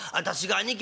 兄貴！」。